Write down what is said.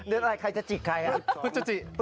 เดือนอะไรใครจะจิกใครครับ